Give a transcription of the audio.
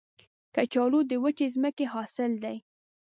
کچالو د وچې ځمکې حاصل دی